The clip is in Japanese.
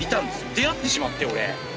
出会ってしまって俺。